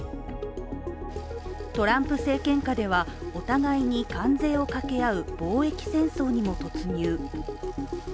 トランプ政権下ではお互いに関税をかけ合う貿易戦争にも突入。